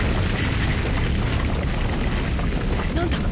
何だ？